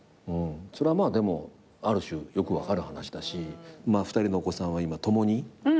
それはでもある種よく分かる話だし２人のお子さんは今共にアメリカ？